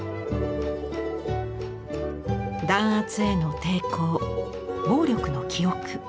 弾圧への抵抗暴力の記憶。